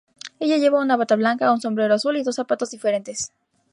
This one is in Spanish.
Ella lleva una bata blanca, un sombrero azul y dos zapatos diferentes.